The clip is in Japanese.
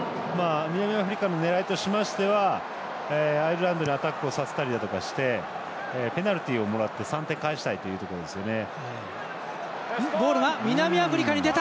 南アフリカの狙いとしましてはアイルランドにアタックをさせたりとかしてペナルティをもらって３点返したいというところですよね。